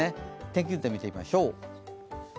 天気図で見ていきましょう。